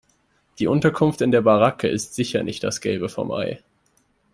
Die Unterkunft in der Baracke ist sicher nicht das Gelbe vom Ei.